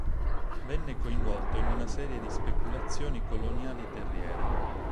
Venne coinvolto in una serie di speculazioni coloniali terriere.